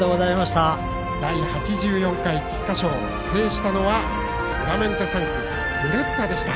第８４回菊花賞制したのはドゥラメンテ産駒ドゥレッツァでした。